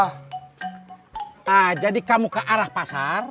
nah jadi kamu ke arah pasar